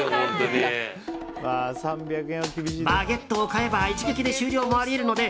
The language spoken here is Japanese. バゲットを買えば一撃で終了もあり得るので